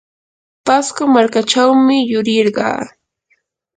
pasco markachawmi yurirqaa.